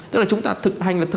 tức là chúng ta thực hành